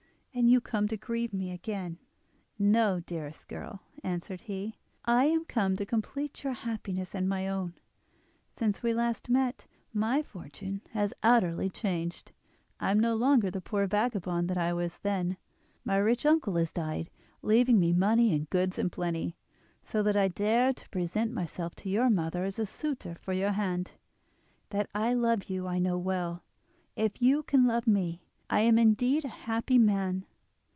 Are you come to grieve me again?" "No, dearest girl," answered he; "I am come to complete your happiness and my own. Since we last met my fortune has utterly changed; I am no longer the poor vagabond that I was then. My rich uncle has died, leaving me money and goods in plenty, so that I dare to present myself to your mother as a suitor for your hand. That I love you I know well; if you can love me I am indeed a happy man."